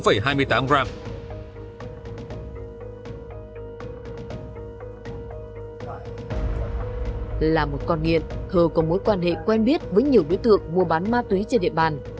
là một con nghiện thơ có mối quan hệ quen biết với nhiều đối tượng mua bán ma túy trên địa bàn